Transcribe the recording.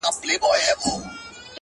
شاعرانو به کټ مټ را نقلوله؛